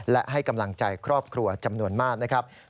และให้กำลังใจครอบครัวจำนวนมากนะครับ